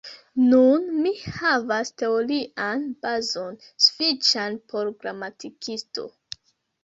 Nun mi havas teorian bazon sufiĉan por gramatikisto.